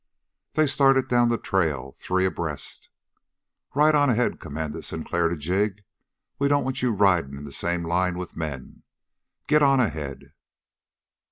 They started down the trail three abreast. "Ride on ahead," commanded Sinclair to Jig. "We don't want you riding in the same line with men. Git on ahead!"